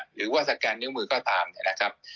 หรือว่าสแกนนิ้วมือก็ตามเนี่ยนะครับ